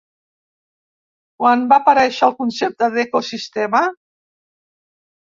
Quan va aparèixer el concepte d'ecosistema?